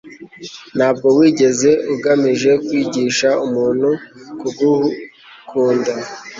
ntabwo wigeze ugamije kwigisha umuntu kugukunda